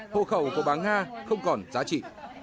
hộ khẩu của bà nga không còn giá trị